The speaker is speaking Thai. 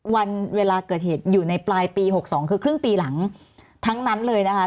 วันเวลาเกิดเหตุอยู่ในปลายปี๖๒คือครึ่งปีหลังทั้งนั้นเลยนะคะ